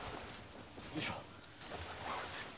よいしょ。